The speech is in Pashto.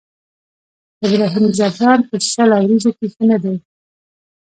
ابراهيم ځدراڼ په شل اوريزو کې ښه نه دی.